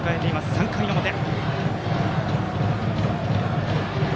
３回の表。